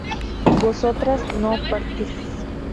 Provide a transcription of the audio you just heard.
vosotras no partís